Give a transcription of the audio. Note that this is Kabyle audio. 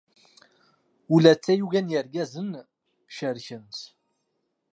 Ula d tayuga n yizgaren cerken-tt.